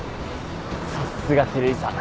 さっすが照井さん。